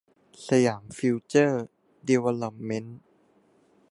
สยามฟิวเจอร์ดีเวลอปเมนท์